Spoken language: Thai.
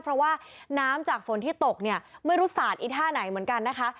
เพราะว่าน้ำจากฝนที่ตกเนี่ยไม่รู้สาดอีท่าไหนเหมือนกันนะคะ